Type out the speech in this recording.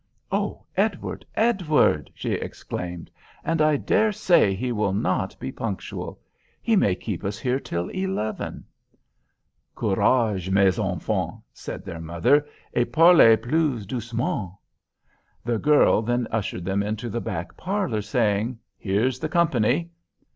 "Oh! Edward, Edward!" she exclaimed, "And I dare say he will not be punctual. He may keep us here till eleven." "Courage, mes enfants," said their mother, "et parlez plus doucement." The girl then ushered them into the back parlor, saying, "Here's the company."